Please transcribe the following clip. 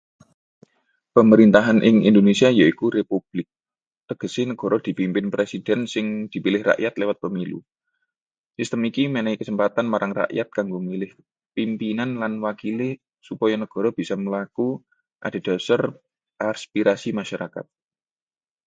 Pemerintahan ing Indonesia yaiku republik. Tegese negara dipimpin presiden sing dipilih rakyat liwat pemilu. Sistem iki menehi kesempatan marang rakyat kanggo milih pimpinan lan wakilé supaya negara bisa mlaku adhedhasar aspirasi masyarakat.